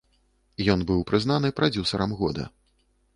Ён быў прызнаны прадзюсарам года.